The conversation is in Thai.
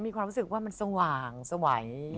มีความรู้สึกว่ามันสว่างสวัย